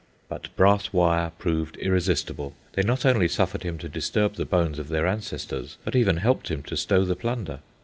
But brass wire proved irresistible. They not only suffered him to disturb the bones of their ancestors, but even helped him to stow the plunder.